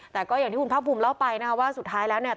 แต่ก็อย่างที่คุณภาคภูมิเล่าไปนะคะว่าสุดท้ายแล้วเนี่ย